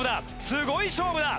すごい勝負だ。